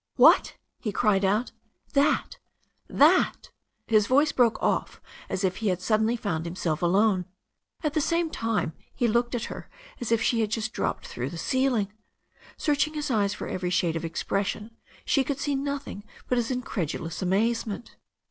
"What !" he cried out. "That ! that !" His voice broke ^ off as if he had suddenly found himself alone At the same time he looked at her as if she had just dropped through the ceiling. Searching his eyes for every shade of expres sion, she could see nothing but his incredulous amazement.